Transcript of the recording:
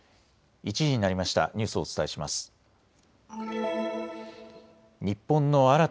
１時になりました。